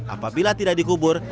apabila tidak dikubur